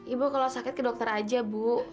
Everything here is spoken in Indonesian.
ibu kalau sakit ke dokter aja bu